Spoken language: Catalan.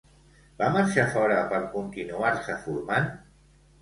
Va marxar fora per continuar-se formant?